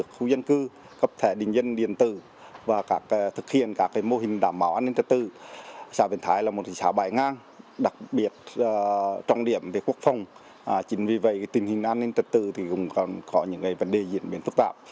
chính vì vậy tình hình an ninh trật tự cũng có những vấn đề diễn biến phức tạp